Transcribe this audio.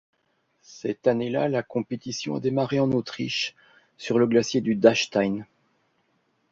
Cette année-là, la compétition a démarré en Autriche sur le glacier du Dachstein.